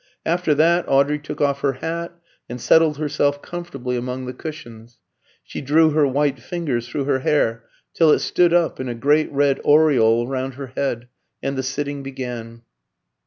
After that, Audrey took off her hat and settled herself comfortably among the cushions; she drew her white fingers through her hair till it stood up in a great red aureole round her head, and the sitting began.